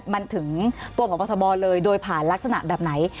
มันถึงตัวพบทบเลยโดยผ่านลักษณะแบบไหน